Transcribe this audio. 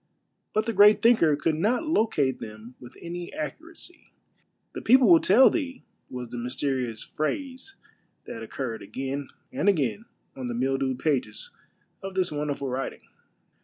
But the great thinker could not locate them with any accuracy. " The people will tell thee " was the mysterious phrase that occurred again and again on the mildewed pages of this wonderful writ ing.